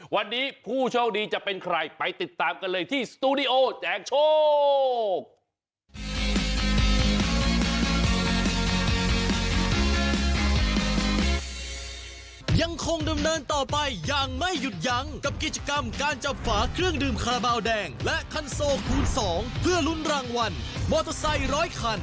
วันนี้ผู้โชคดีจะเป็นใครไปติดตามกันเลยที่สตูดิโอแจกโชค